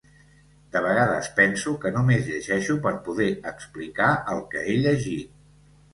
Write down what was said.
De vegades penso que només llegeixo per poder explicar el que he llegit.